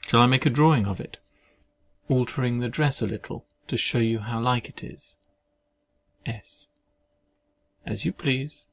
Shall I make a drawing of it, altering the dress a little, to shew you how like it is? S. As you please.